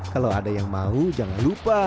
kalau ada yang mau jangan lupa